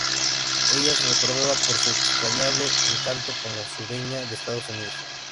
Ella es recordada por su entrañable encanto como sureña de Estados Unidos.